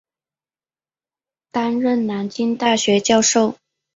担任南京大学教授。